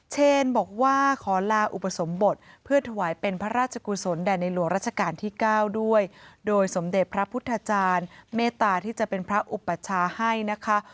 เชนบอกว่าขอลาอุปสมบทเพื่อถวายเป็นพระราชกุศลแด่ในหลวงราชการที่๙ด้วยโดยสมเด็จพระพุทธจารย์เมตตาที่จะเป็นพระอุปชาให้นะคะ